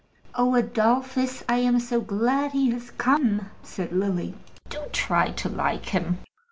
"Oh, Adolphus, I am so glad he has come," said Lily. "Do try to like him."